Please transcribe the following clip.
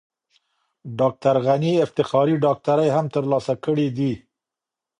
ډاکټر غني افتخاري ډاکټرۍ هم ترلاسه کړې دي.